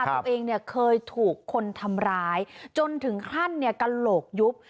ตัวเองเคยถูกคนทำร้ายจนถึงขั้นกระโหลกยุบ